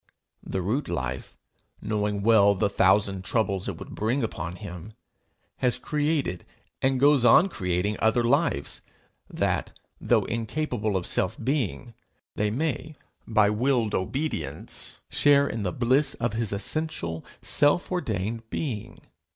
The root life, knowing well the thousand troubles it would bring upon him, has created, and goes on creating other lives, that, though incapable of self being, they may, by willed obedience, share in the bliss of his essential self ordained being.